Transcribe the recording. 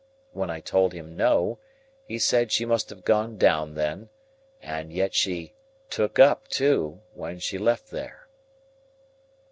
When I told him No, he said she must have gone down then, and yet she "took up too," when she left there.